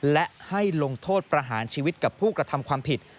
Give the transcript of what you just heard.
และให้ลงโทษประหารชีวิตกับผู้กระทำความผิด